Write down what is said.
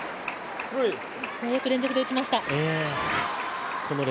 よく連続で打ちました。